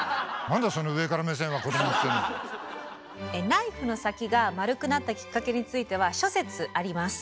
ナイフの先が丸くなったきっかけについては諸説あります。